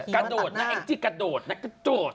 กระโดดนะอย่างเอ็กซิก็กระโดดน่ะกระโดด